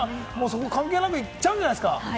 関係なく行っちゃうんじゃないですか？